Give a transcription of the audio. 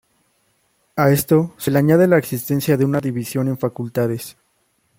A esto se le añade la existencia de una división en facultades.